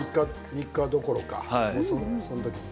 ３日どころかその時に。